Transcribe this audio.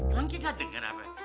lu ngga dengar apa itu